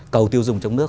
cầu tiêu dùng trong nước